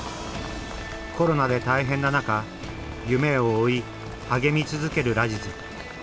コロナで大変な中夢を追い励み続けるラジズ。